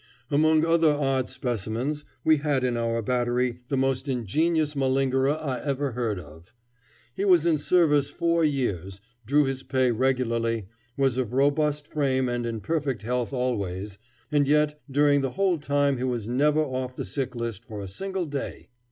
Among other odd specimens we had in our battery the most ingenious malingerer I ever heard of. He was in service four years, drew his pay regularly, was of robust frame and in perfect health always, and yet during the whole time he was never off the sick list for a single day.